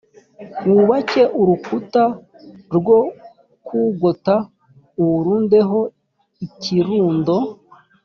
wubake urukuta rwo kuwugota uwurundeho ikirundo